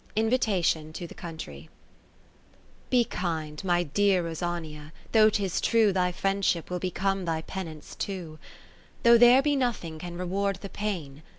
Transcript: Invitation to the Country Be kind, my dear Rosania, though 'tis true Thy friendship will become thy penance too ; Though there be nothing can reward the pain.